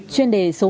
chuyên đề số một